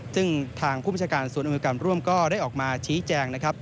ซึ่งทางภูมิชการสวนอุ้มอุปกรณ์ร่วมก็ได้ออกมาชี้แจง